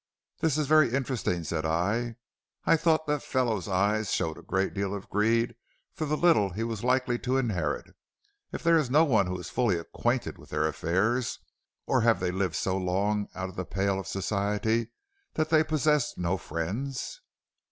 "'This is very interesting,' said I. 'I thought that fellow's eyes showed a great deal of greed for the little he was likely to inherit. Is there no one who is fully acquainted with their affairs, or have they lived so long out of the pale of society that they possess no friends?'